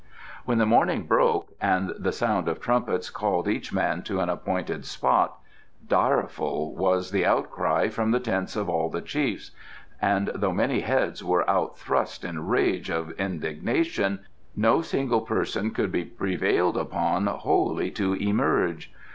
When the morning broke and the sound of trumpets called each man to an appointed spot, direful was the outcry from the tents of all the chiefs, and though many heads were out thrust in rage of indignation, no single person could be prevailed upon wholly to emerge.